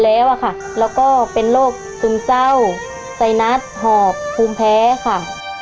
แล้วก็เป็นโรคซึมเศร้าไซนัสหอบภูมิแพ้ค่ะ